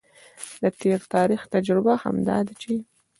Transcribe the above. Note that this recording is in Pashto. د تیر تاریخ تجربه هم دا ده چې